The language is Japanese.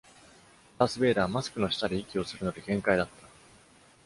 ダース・ベイダーはマスクの下で息をするので限界だった。